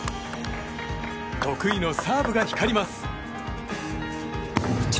得意のサーブが光ります。